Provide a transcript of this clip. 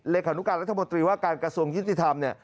หลักฐานุการณ์รัฐมนตรีว่าการกระทรวงยุทธิธรรม